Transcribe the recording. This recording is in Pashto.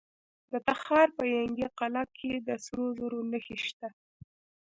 د تخار په ینګي قلعه کې د سرو زرو نښې شته.